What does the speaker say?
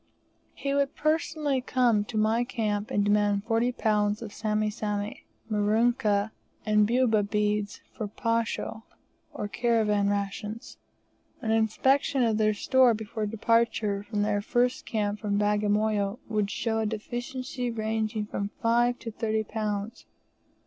He would personally come to my camp and demand 40 lbs. of Sami Sami, Merikani, and Bubu beads for posho, or caravan rations; an inspection of their store before departure from their first camp from Bagamoyo would show a deficiency ranging from 5 to 30 lbs.